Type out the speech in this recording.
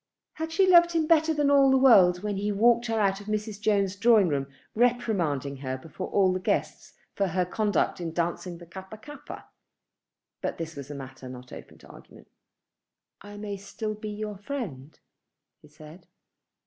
Had she loved him better than all the world when he walked her out of Mrs. Jones' drawing room, reprimanding her before all the guests for her conduct in dancing the Kappa kappa? But this was a matter not open to argument. "I may still be your friend?" he said.